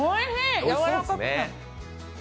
やわらかくて。